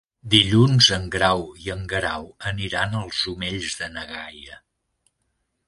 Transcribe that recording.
Dilluns en Grau i en Guerau aniran als Omells de na Gaia.